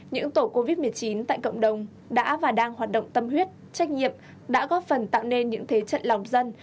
những tổ covid một mươi chín tại cộng đồng đã và đang hoạt động tâm huyết trách nhiệm đã góp phần tạo nên những thế trận lòng dân